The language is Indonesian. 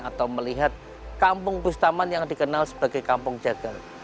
atau melihat kampung bustaman yang dikenal sebagai kampung jagal